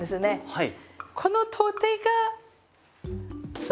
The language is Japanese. はい。